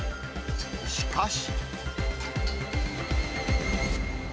しかし。